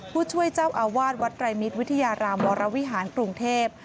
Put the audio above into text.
ผู้ช่วยเจ้าอาวาสวัดไตรมิตรวิทยารามวรวิหารกรุงเทพ